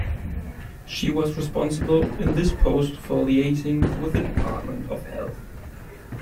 She was responsible, in this post, for liaising with the Department of Health.